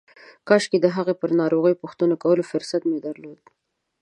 کاشکې د هغه پر ناروغۍ پوښتنې کولو فرصت مې درلود.